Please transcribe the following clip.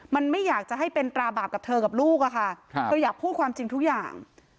มันไม่อยากจะให้เป็นตราบาปกับเธอกับลูกอะค่ะเธออยากพูดความจริงทุกอย่าง